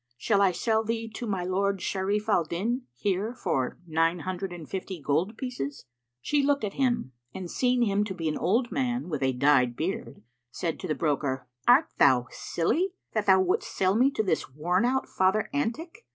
Shall I sell thee to my lord Sharíf al Dín here for nine hundred and fifty gold pieces?" She looked at him and, seeing him to be an old man with a dyed beard, said to the broker, "Art thou silly, that thou wouldst sell me to this worn out Father Antic?